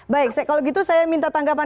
baik kalau gitu saya minta tanggapan